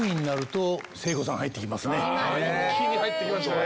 一気に入ってきましたね。